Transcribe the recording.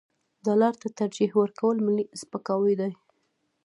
ډالر ته ترجیح ورکول ملي سپکاوی دی.